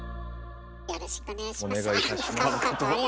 よろしくお願いします。